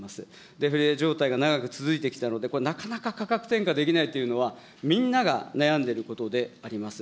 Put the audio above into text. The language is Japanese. デフレ状態が長く続いてきたので、これ、なかなか価格転嫁できないというのは、みんなが悩んでることであります。